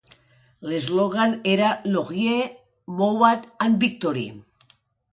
L'eslògan era "Laurier, Mowat and Victory".